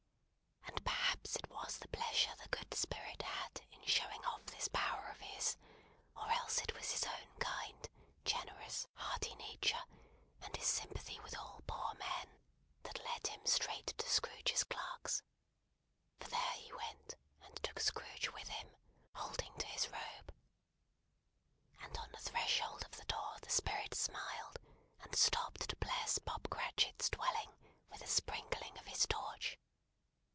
And perhaps it was the pleasure the good Spirit had in showing off this power of his, or else it was his own kind, generous, hearty nature, and his sympathy with all poor men, that led him straight to Scrooge's clerk's; for there he went, and took Scrooge with him, holding to his robe; and on the threshold of the door the Spirit smiled, and stopped to bless Bob Cratchit's dwelling with the sprinkling of his torch.